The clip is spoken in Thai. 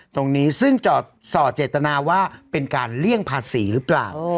ตรงนี้ซึ่งสอดเจตนาว่าเป็นการเลี่ยงภาษีหรือเปล่า